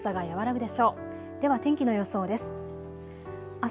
では天気の予想です。